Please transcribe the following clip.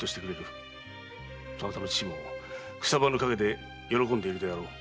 そなたの父も草葉の陰で喜んでいるであろう。